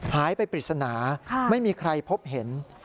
หายไปปริศนาไม่มีใครพบเห็น